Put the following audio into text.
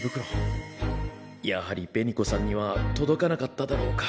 やはり紅子さんには届かなかっただろうか。